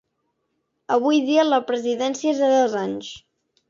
Avui dia la presidència és de dos anys.